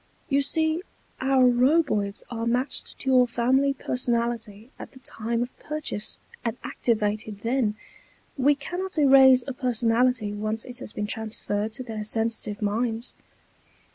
"You see, our Roboids are matched to your family personality at the time of purchase, and activated then. We cannot erase a personality once it has been transferred to their sensitive minds."